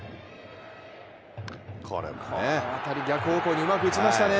この当たりも逆方向にうまく打ちましたね。